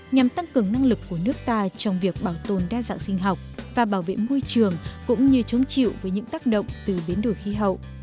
nhằm tăng cường năng lực của nước ta trong việc bảo tồn đa dạng sinh học và bảo vệ môi trường cũng như chống chịu với những tác động từ biến đổi khí hậu